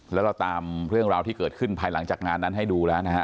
แล้วเราตามเรื่องราวที่เกิดขึ้นภายหลังจากงานนั้นให้ดูแล้วนะฮะ